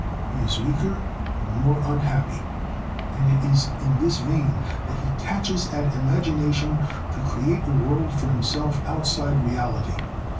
He is weaker and more unhappy; and it is in vain that he catches at imagination to create a world for himself outside reality.